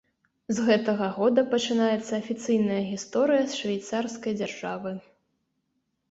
З гэтага года пачынаецца афіцыйная гісторыя швейцарскай дзяржавы.